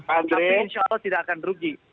tapi insya allah tidak akan rugi